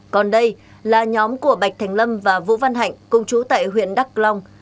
còn đây là nhóm của bạch thành lâm và vũ văn hạnh công chú tại huyện đắk long